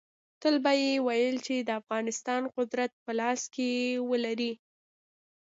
تل به یې ویل چې د افغانستان قدرت په لاس کې ولري.